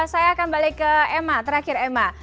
saya akan balik ke emma terakhir emma